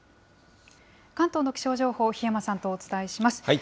関東の気象情報、檜山さんとお伝えします。